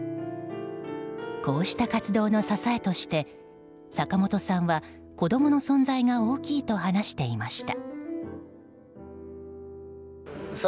こうした活動の支えとして坂本さんは子供の存在が大きいと話していました。